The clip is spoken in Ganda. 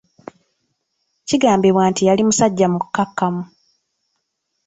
Kigambibwa nti yali musajja mukkakkamu.